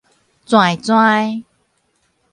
跩跩